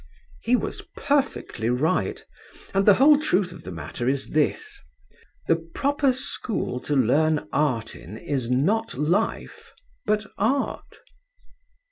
He was perfectly right, and the whole truth of the matter is this: The proper school to learn art in is not Life but Art.